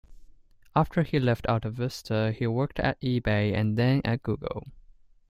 After he left AltaVista, he worked at eBay and then at Google.